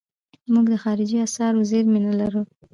موږ د خارجي اسعارو زیرمې نه لرو.